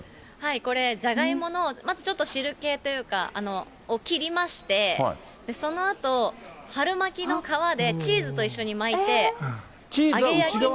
これ、じゃがいもの、まずちょっと汁気というかを切りまして、そのあと、春巻きの皮でチーズと一緒に巻いて揚げ焼きに。